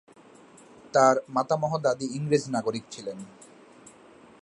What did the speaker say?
তাঁর মাতামহ দাদী ইংরেজ নাগরিক ছিলেন।